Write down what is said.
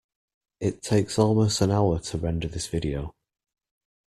It takes almost an hour to render this video.